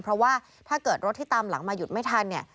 เพราะว่าถ้าเกิดรถที่ตามหลังมาหยุดไม่ทันเนี่ย